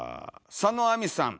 「佐野亜実」さん。